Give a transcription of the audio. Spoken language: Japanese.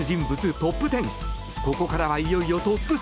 トップ１０ここからは、いよいよトップ３。